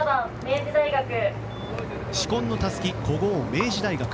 紫紺のたすき、古豪・明治大学。